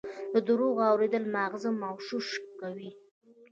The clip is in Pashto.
د دروغو اورېدل ماغزه مغشوش کوي.